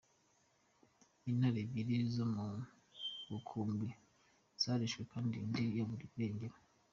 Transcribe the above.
Intare ebyiri zo mu mukumbi zarishwe kandi indi yaburiwe irengero.